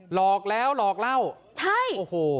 หลอกแล้วหลอกเล่าใช่โอ้โห